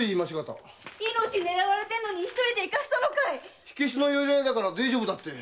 命を狙われてるのに一人で行かせたのかい⁉火消しの寄り合いだから大丈夫だって。